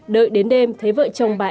đợi đến đêm thấy vợ chồng bà em chơi